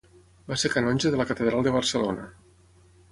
Va ser canonge de la catedral de Barcelona.